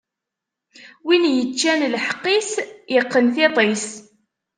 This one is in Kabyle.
Win iččan lḥeqq-is, iqqen tiṭ-is!